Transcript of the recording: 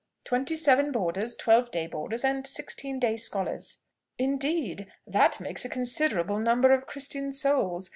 "Twenty seven boarders, twelve day boarders, and sixteen day scholars." "Indeed! that makes a considerable number of Christian souls.